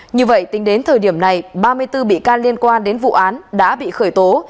như vậy tính đến thời điểm này ba mươi bốn bị can liên quan đến vụ án đã bị khởi tố